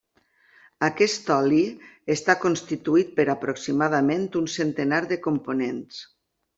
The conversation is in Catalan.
Aquest oli està constituït per aproximadament un centenar de components.